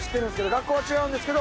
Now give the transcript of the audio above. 学校は違うんですけど。